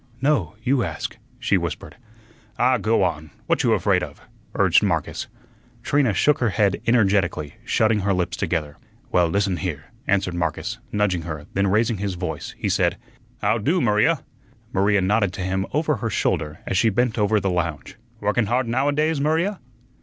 "No, you ask," she whispered. "Ah, go on; what you 'fraid of?" urged Marcus. Trina shook her head energetically, shutting her lips together. "Well, listen here," answered Marcus, nudging her; then raising his voice, he said: "How do, Maria?" Maria nodded to him over her shoulder as she bent over the lounge. "Workun hard nowadays, Maria?"